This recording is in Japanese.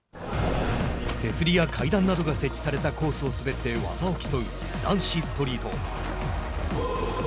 手すりや階段などが設置されたコースを滑って技を競う男子ストリート。